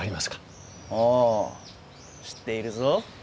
ああ知っているぞ。